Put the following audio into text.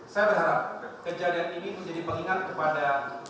saya berharap kejadian ini menjadi pengingat kepada